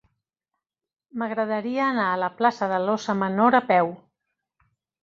M'agradaria anar a la plaça de l'Óssa Menor a peu.